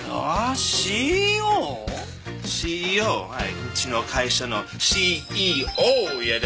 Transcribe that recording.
うちの会社のＣＥＯやで！